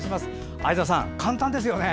相沢さん、簡単ですよね？